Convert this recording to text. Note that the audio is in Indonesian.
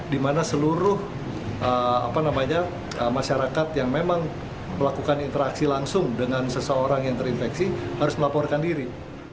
di mana seluruh masyarakat yang memang melakukan interaksi langsung dengan seseorang yang terinfeksi harus melaporkan diri